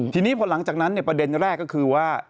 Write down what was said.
ทีนี้พอหลังจากนั้นประเด็นแรกก็คือว่า